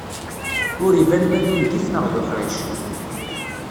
Ur iban ma d ungif neɣ d uḥric.